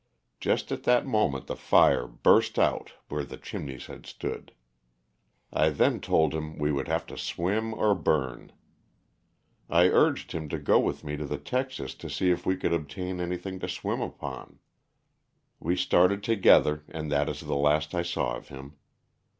Just at that moment the fire burst out where the chimneys had stood. I then told him we would have to swim or burn. I urged him to go with me to the texas to see if we could obtain any thing to swim upon. We started together and that is the last I saw of him.